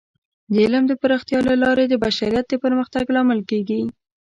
د علم د پراختیا له لارې د بشریت د پرمختګ لامل کیږي.